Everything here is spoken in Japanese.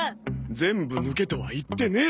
全部抜けとは言ってねえ。